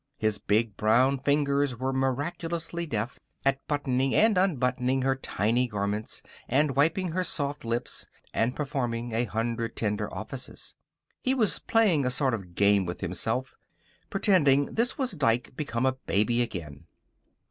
His big brown fingers were miraculously deft at buttoning and unbuttoning her tiny garments, and wiping her soft lips, and performing a hundred tender offices. He was playing a sort of game with himself, pretending this was Dike become a baby again.